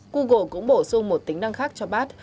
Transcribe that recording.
google cũng bổ sung một tính năng khác cho bat